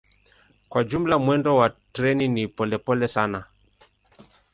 Kwa jumla mwendo wa treni ni polepole sana.